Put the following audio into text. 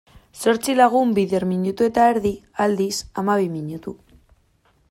Zortzi lagun bider minutu eta erdi, aldiz, hamabi minutu.